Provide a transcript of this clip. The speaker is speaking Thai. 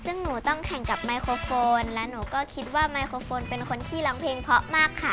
ซึ่งหนูต้องแข่งกับไมโครโฟนและหนูก็คิดว่าไมโครโฟนเป็นคนที่ร้องเพลงเพราะมากค่ะ